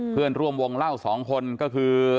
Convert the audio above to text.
เพื่อนร่วมวงเล่าสองคนก็คือ